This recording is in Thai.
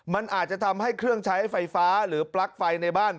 มันอาจจะทำให้เครื่องใช้ไฟฟ้าหรือปลั๊กไฟในบ้าน